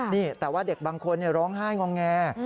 นี่แต่ว่าเด็กบางคนร้องไห้งอแง